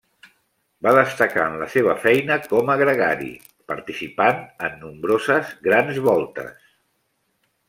Va destacar en la seva feina com a gregari, participant en nombroses Grans Voltes.